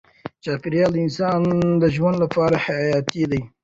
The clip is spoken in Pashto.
چاپیریال د انسان ژوند لپاره حیاتي دی.